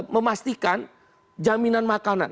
memastikan jaminan makanan